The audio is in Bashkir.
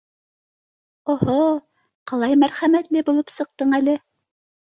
— О-һо, ҡалай мәрхәмәтле булып сыҡтың әле!